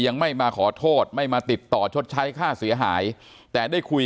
ยังไม่มาขอโทษไม่มาติดต่อชดใช้ค่าเสียหายแต่ได้คุย